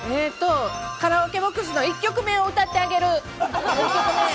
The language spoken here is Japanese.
カラオケボックスの１曲目を歌ったってあげる。